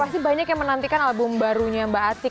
pasti banyak yang menantikan album barunya mbak atik